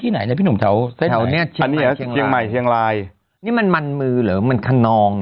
ไหนนะพี่หนุ่มเฉาแถวเนี้ยเฉียงใหม่เฉียงลายอันนี้มันมันมือหรือมันคันนองหรอ